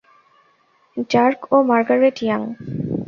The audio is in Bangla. ডার্ক, ও মার্গারেট ইয়াং।